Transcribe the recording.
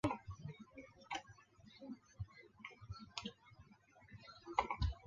日军相继攻下重镇包头。